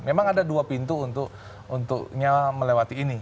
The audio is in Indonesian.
memang ada dua pintu untuknya melewati ini